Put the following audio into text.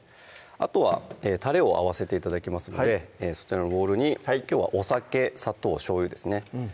あとはたれを合わせて頂きますのでそちらのボウルにきょうはお酒・砂糖・しょうゆですね